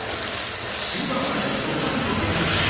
終盤まで互角の展開。